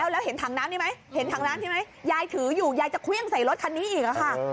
แล้วเห็นถังน้ำนี่ไหมยายถืออยู่ยายจะเครื่องใส่รถคันนี้อีกค่ะ